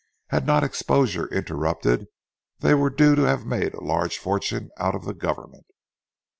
Had not exposure interrupted, they were due to have made a large fortune out of the government.